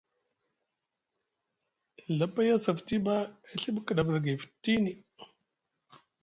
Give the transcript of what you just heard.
Nɵa pay a saa futi ɓa e Ɵibi kɗaf ɗa gay futini.